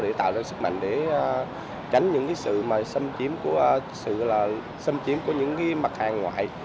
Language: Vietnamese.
để tạo ra sức mạnh để tránh những sự xâm chiếm của những mặt hàng ngoại